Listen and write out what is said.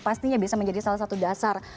pastinya bisa menjadi salah satu dasar